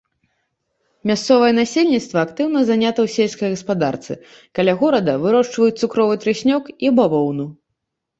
Мясцовае насельніцтва актыўна занята ў сельскай гаспадарцы, каля горада вырошчваюць цукровы трыснёг і бавоўну.